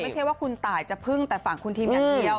ไม่ใช่ว่าคุณตายจะพึ่งแต่ฝั่งคุณทีมอย่างเดียว